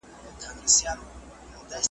زموږ په رنګ درته راوړي څوک خوراکونه؟ `